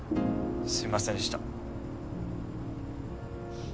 すみませんでした。